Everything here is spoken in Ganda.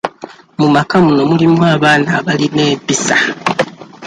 Mu maka muno mulimu abaana abalina empisa.